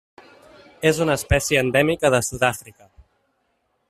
És una espècie endèmica de Sud-àfrica.